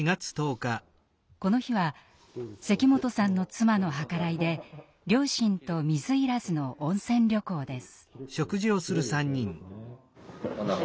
この日は関本さんの妻の計らいで両親と水入らずの温泉旅行です。